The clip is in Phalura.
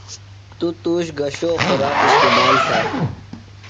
تو تُوش گہ شو خوراک استعمال تھہ۔